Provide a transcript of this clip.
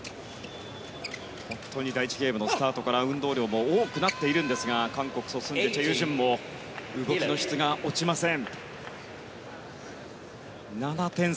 本当に第１ゲームのスタートから運動量も多くなっているんですが韓国ソ・スンジェ、チェ・ユジュンも動きの質が落ちません。